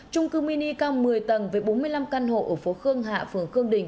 trung cư mini cao một mươi tầng với bốn mươi năm căn hộ ở phố khương hạ phường khương đình